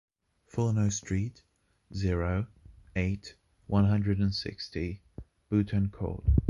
Fourneau Street, zero, eight, one hundred and sixty, Boutancourt